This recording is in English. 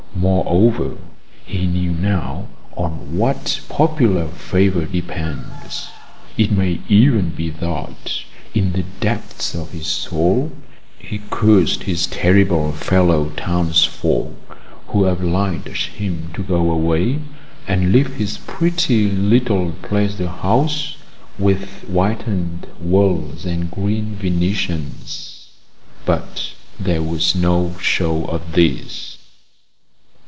Moreover, he knew now on what popular favour depends; it may even be that in the depths of his soul he cursed his terrible fellow townsfolk, who obliged him to go away and leave his pretty little pleasure house with whitened walls and green venetians. But there was no show of this.